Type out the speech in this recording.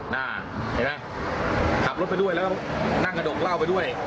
เห็นไหมขับรถไปด้วยแล้วนั่งกระดกเหล้าไปด้วย